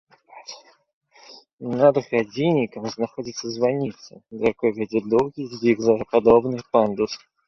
Над гадзіннікам знаходзіцца званіца, да якой вядзе доўгі зігзагападобны пандус.